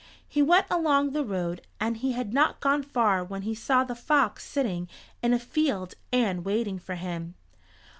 He went along the road and he had not gone far when he saw the fox sitting in a field and waiting for him.